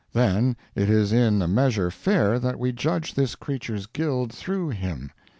Then it is in a measure fair that we judge this creature's guild through him.